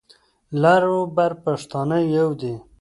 لر او بر پښتانه يو دي.